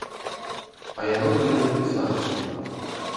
А яны былі напісаны.